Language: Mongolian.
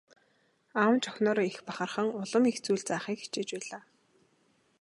Аав нь ч охиноороо их бахархан улам их зүйл заахыг хичээж байлаа.